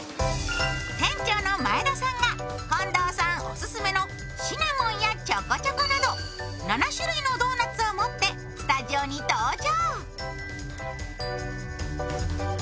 店長の前田さんが近藤さんがオススメのシナモンやちょこちょこなど７種類のドーナツを持ってスタジオに登場。